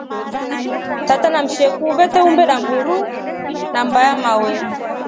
Tata na msheku vete umbe a mburu na mmba ya mawe.